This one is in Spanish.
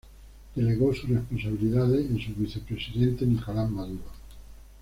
Delegó sus responsabilidades en su vicepresidente Nicolás Maduro.